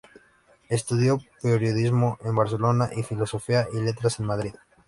Estudió Periodismo en Barcelona y Filosofía y Letras en Madrid.